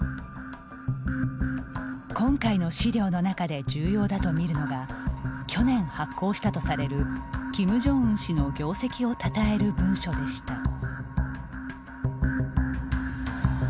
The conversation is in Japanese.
今回の資料の中で重要だと見るのが去年、発行したとされるキム・ジョンウン氏の業績をたたえる文書でした。